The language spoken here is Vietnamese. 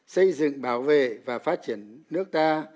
xây dựng bảo vệ và phát triển nước ta